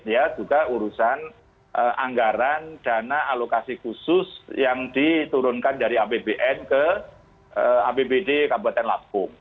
ya juga urusan anggaran dana alokasi khusus yang diturunkan dari apbn ke apbd kabupaten lampung